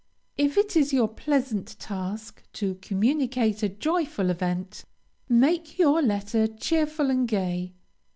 If it is your pleasant task to communicate a joyful event, make your letter cheerful and gay.